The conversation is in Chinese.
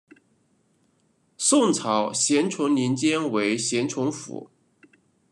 宋朝咸淳年间为咸淳府。